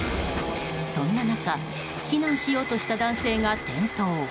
そんな中避難しようとした男性が転倒。